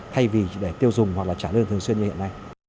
thay vì để tiêu dùng hoặc là trả lương thường xuyên như hiện nay